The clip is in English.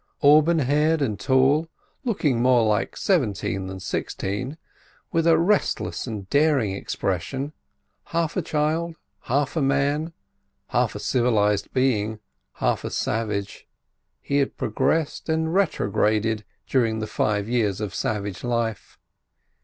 Auburn haired and tall, looking more like seventeen than sixteen, with a restless and daring expression, half a child, half a man, half a civilised being, half a savage, he had both progressed and retrograded during the five years of savage life.